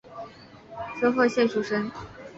滋贺县出身。